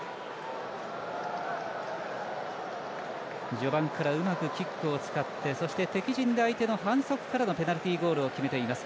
序盤から、うまくキックを使ってそして敵陣で相手の反則からのペナルティゴールを決めています。